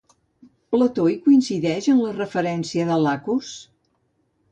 Plató hi coincideix, en la referència de Iacus?